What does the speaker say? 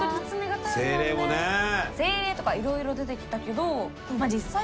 精霊とかいろいろ出てきたけど実際はどうなのか